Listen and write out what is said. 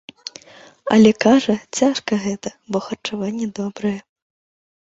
Але, кажа, цяжка гэта, бо харчаванне добрае.